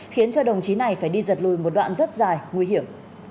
khiến cho đồng chí này phải đi giật lùi một đoạn rất dài nguy hiểm